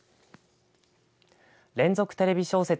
連続テレビ小説